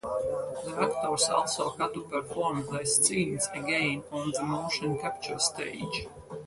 The actors also had to perform their scenes again on the motion capture stage.